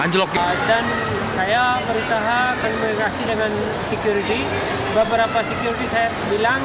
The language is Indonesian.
dan saya berusaha berkomunikasi dengan security beberapa security saya bilang